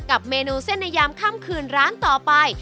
เมนูเส้นในยามค่ำคืนร้านต่อไป